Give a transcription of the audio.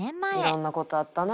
「いろんな事あったな